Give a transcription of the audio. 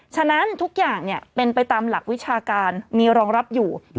ฉะนั้นทุกอย่างเป็นไปตามหลักวิชาการมีรองรับอยู่